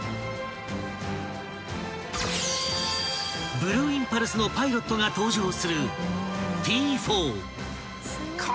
［ブルーインパルスのパイロットが搭乗する］